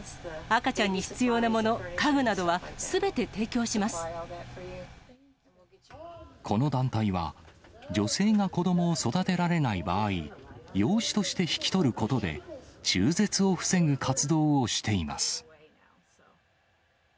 赤ちゃんに必要なもの、家具などこの団体は、女性が子どもを育てられない場合、養子として引き取ることで、中絶を防ぐ活動をしています。